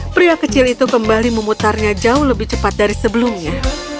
pria kecil itu kembali memutarnya jauh lebih cepat dari sebelumnya